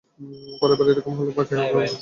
পরেরবার এরকম করলে, বাকী কাপড়ও আর থাকবে না।